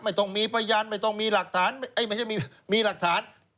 ไม่ต้องมีพยานไม่ต้องมีหลักฐานไม่ใช่มีหลักฐาน